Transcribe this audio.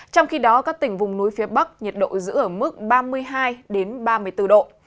trong khi đó các tỉnh vùng núi phía bắc nhiệt độ giữ ở mức ba mươi hai ba mươi bốn độ